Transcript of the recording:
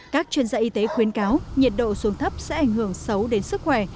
các chuyên gia y tế khuyến cáo nhiệt độ xuống thấp sẽ ảnh hưởng xấu đến sức khỏe